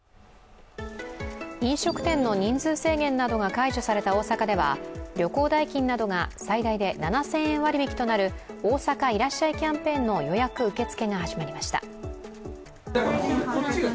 飲食店の人数制限などが解除された大阪では旅行代金などが最大で７０００円割引となる大阪いらっしゃいキャンペーンの予約受け付けが始まりました。